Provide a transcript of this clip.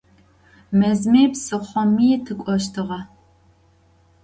Mezmi psıxhomi tık'oştığe.